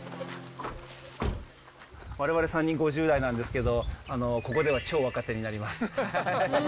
われわれ３人、５０代なんですけど、ここでは超若手になります。